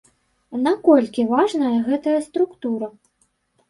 Наколькі важная гэтая структура?